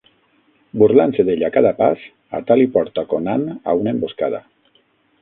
Burlant-se d'ell a cada pas, Atali porta Conan a una emboscada.